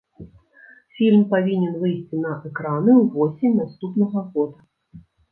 Фільм павінен выйсці на экраны ўвосень наступнага года.